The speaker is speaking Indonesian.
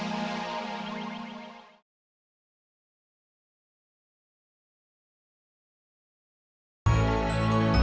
bisa verta di warung a